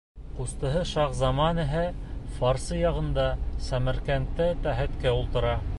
Ҡустыһы Шаһзаман иһә фарсы яғында, Сәмәрҡәндтә, тәхеткә ултыра.